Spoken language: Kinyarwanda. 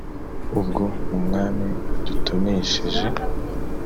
«ubwo umwami adutonesheje,